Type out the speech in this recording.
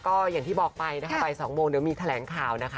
ก็อย่างที่บอกไปนะคะบ่าย๒โมงเดี๋ยวมีแถลงข่าวนะคะ